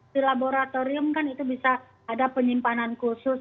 di laboratorium kan itu bisa ada penyimpanan khusus